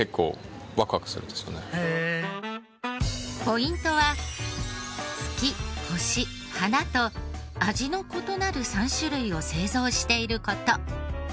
ポイントは月星花と味の異なる３種類を製造している事。